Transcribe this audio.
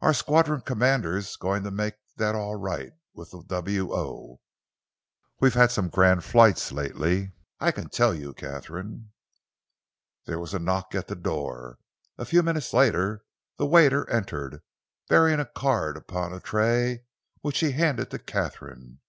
"Our Squadron Commander's going to make that all right with the W.O. We've had some grand flights lately, I can tell you, Katharine." There was a knock at the door, a few moments later. The waiter entered, bearing a card upon a tray, which he handed to Katharine.